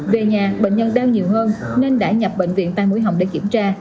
về nhà bệnh nhân đau nhiều hơn nên đã nhập bệnh viện tai mũi hồng để kiểm tra